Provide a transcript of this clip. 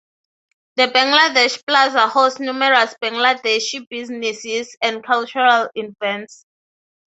The Bangladesh Plaza hosts numerous Bangladeshi businesses and cultural events.